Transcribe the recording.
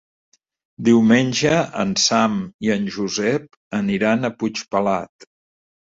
Diumenge en Sam i en Josep aniran a Puigpelat.